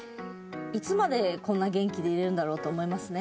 いつまでこんな元気でいれるんだろうと思いますね。